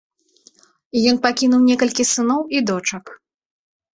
Ён пакінуў некалькі сыноў і дочак.